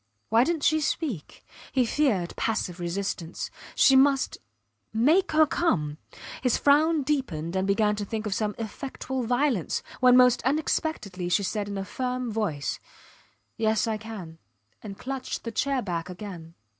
Why didnt she speak? He feared passive resistance. She must. ... Make her come. His frown deepened, and he began to think of some effectual violence, when most unexpectedly she said in a firm voice, Yes, I can, and clutched the chair back again.